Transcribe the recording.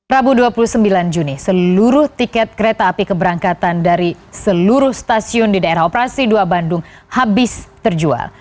rabu dua puluh sembilan juni seluruh tiket kereta api keberangkatan dari seluruh stasiun di daerah operasi dua bandung habis terjual